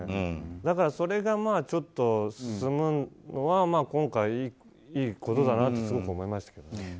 だから、それが進むのは今回いいことだなと思いましたけど。